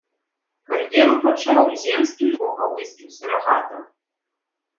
Кар'еру пачаў земскім ваўкавыскім сурагатам.